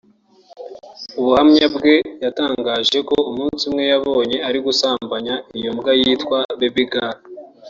Mu buhamya bwe yatangaje ko umunsi umwe yamubonye ari gusambanya iyo mbwa yitaga Baby Girl